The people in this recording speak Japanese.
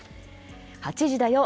「８時だョ！